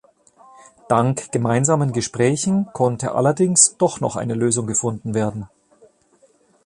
Dank gemeinsamen Gesprächen konnte allerdings doch noch eine Lösung gefunden werden.